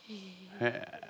へえ。